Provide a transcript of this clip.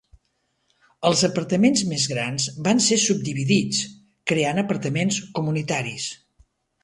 Els apartaments més grans van ser subdividits, creant apartaments comunitaris.